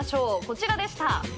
こちらでした。